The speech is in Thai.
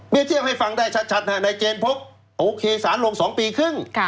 นี่เทียบให้ฟังได้ชัดนายเจนพบโอเคสารลง๒ปีครึ่ง